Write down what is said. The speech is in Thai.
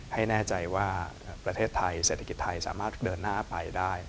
ให้แน่ใจว่าเศรษฐกิจไทยสามารถเจอกเดินหน้าไปได้